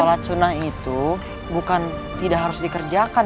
sholat sunnah itu bukan tidak harus dikerjakan